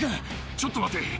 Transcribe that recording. ちょっと待って。